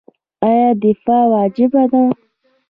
آیا دفاع واجب ده؟